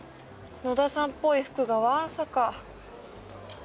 野田さんっぽい服がわんさか。